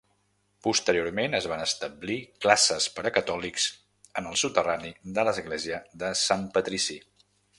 Posteriorment es van establir classes per a catòlics en el soterrani de l'Església de Sant Patrici.